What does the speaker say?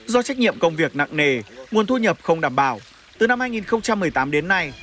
do trách nhiệm công việc nặng nề nguồn thu nhập không đảm bảo từ năm hai nghìn một mươi tám đến nay